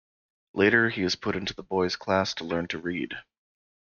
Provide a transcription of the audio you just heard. Later, he is put into the boys' class to learn to read.